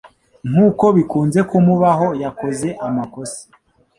Nkuko bikunze kumubaho, yakoze amakosa.